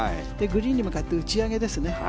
グリーンに向かって打ち上げですね。